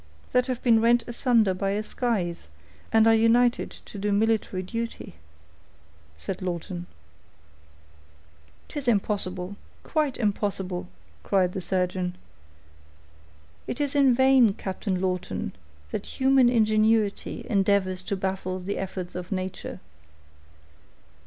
"That have been rent asunder by a scythe, and are united to do military duty," said Lawton. "'Tis impossible—quite impossible," cried the surgeon. "It is in vain, Captain Lawton, that human ingenuity endeavors to baffle the efforts of nature.